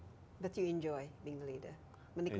tapi kamu menikmati menjadi pemimpin